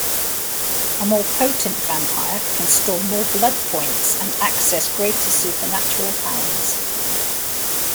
A more Potent vampire can store more blood points and access greater supernatural powers.